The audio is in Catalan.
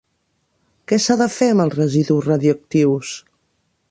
Què s'ha de fer amb els residus radioactius?